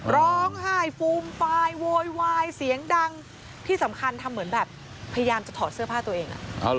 ร้องไห้ฟูมฟายโวยวายเสียงดังที่สำคัญทำเหมือนแบบพยายามจะถอดเสื้อผ้าตัวเอง